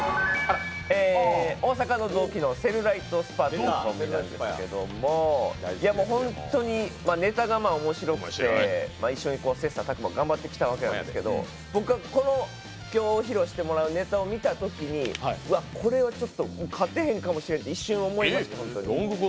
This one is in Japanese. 大阪の同期のセルライトスパというコンビなんですけど本当にネタがおもしろくて一緒に切磋琢磨、頑張ってきたんですけど僕が今日披露してもらうネタを見たときにこれはちょっと勝てへんと思いました。